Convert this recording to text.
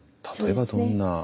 例えばどんな？